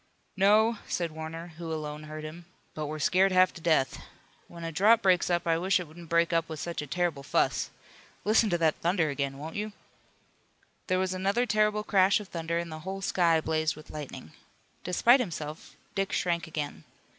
"No," said Warner, who alone heard him, "but we're scared half to death. When a drought breaks up I wish it wouldn't break up with such a terrible fuss. Listen to that thunder again, won't you!" There was another terrible crash of thunder and the whole sky blazed with lightning. Despite himself Dick shrank again.